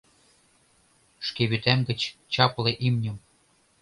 Шке вӱтам гыч чапле имньым